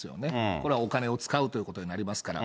これはお金を使うということになりますから。